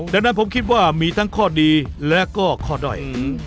ดังนั้นผมคิดว่ามีทั้งข้อดีและก็ข้อด้อย